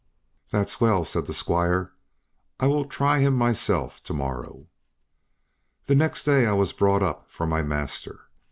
"That's well," said the squire, "I will try him myself to morrow." The next day I was brought up for my master.